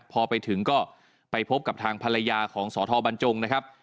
พอไปถึงก็ไปพบกับทางภรรยาของสธบรรจงนะครับ